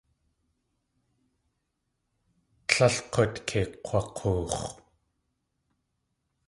Tlél k̲ut kei kg̲wak̲oox̲.